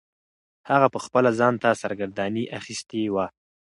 هغه پخپله ځان ته سرګرداني اخیستې وه.